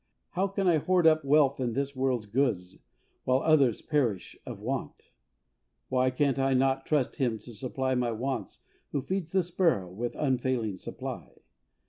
How can I hoard up wealth and this world's goods while others perish of want ? Why can I not trust Him to supply my wants, who feeds the sparrows with unfailing supply